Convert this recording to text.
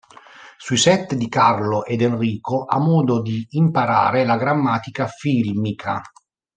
Sui set di Carlo ed Enrico, ha modo di imparare la grammatica filmica.